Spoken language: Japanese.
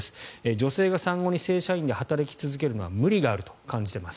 女性が産後に正社員で働き続けるのは無理があると感じています。